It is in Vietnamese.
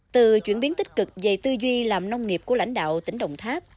từ chuyển biến tích cực về tư duy làm nông nghiệp của lãnh đạo tỉnh đồng tháp